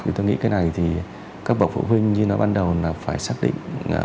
chúng ta nghĩ cái này thì các bậc phụ huynh như nói ban đầu là phải xác định